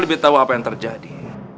aku harus tahu apa yang terjadi